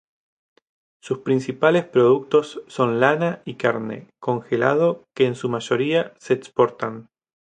Sus principales productos son lana y carne congelada que, en su mayoría, se exportan.